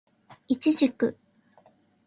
イチジク